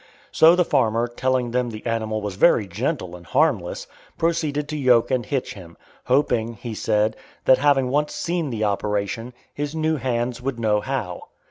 So the farmer, telling them the animal was very gentle and harmless, proceeded to yoke and hitch him, hoping, he said, that having once seen the operation, his new hands would know how.